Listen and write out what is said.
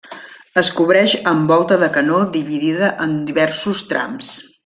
Es cobreix amb volta de canó dividida en diversos trams.